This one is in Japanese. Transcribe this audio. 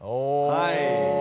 はい。